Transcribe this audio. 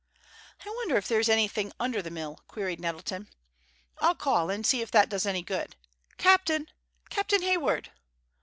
"I wonder if there is any thing under the mill?" queried Nettleton. "I'll call, and see if that does any good. Captain! Captain Hayward!"